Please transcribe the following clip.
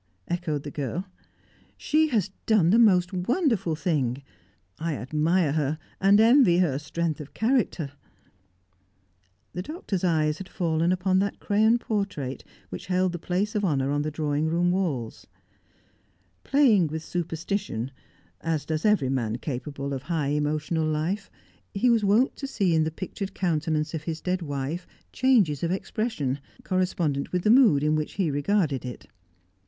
echoed the girl. "She has done the most wonderful thing! I admire her, and envy her strength of character." The Doctor's eyes had fallen upon that crayon portrait which held the place of honour on the drawing room walls. Playing with superstition, as does every man capable of high emotional life, he was wont to see in the pictured countenance of his dead wife changes of expression, correspondent with the mood in which he regarded it.